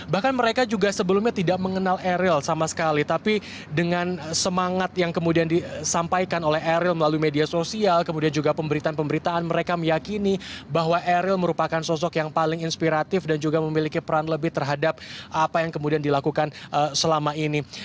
bahkan mereka juga sebelumnya tidak mengenal eril sama sekali tapi dengan semangat yang kemudian disampaikan oleh eril melalui media sosial kemudian juga pemberitaan pemberitaan mereka meyakini bahwa eril merupakan sosok yang paling inspiratif dan juga memiliki peran lebih terhadap apa yang kemudian dilakukan selama ini